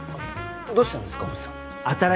どうしたんですか？